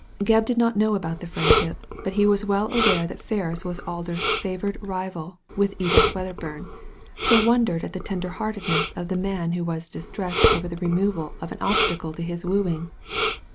Gebb did not know about the friendship, but he was well aware that Ferris was Alder^s favoured rival with Edith Wedderburn, so wondered at the tender heartedness of the man who was distressed over the removal of an obstacle to his wooing.